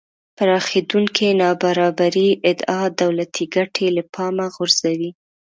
پراخېدونکې نابرابرۍ ادعا دولتی ګټې له پامه غورځوي